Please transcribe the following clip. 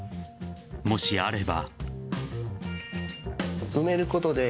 もしあれば。